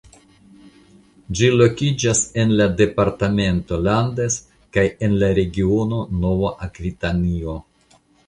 Ĝi lokiĝas en la departemento Landes kaj en la regiono Nova Akvitanio.